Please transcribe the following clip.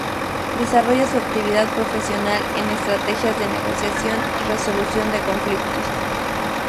Desarrolla su actividad profesional en estrategias de negociación y resolución de conflictos.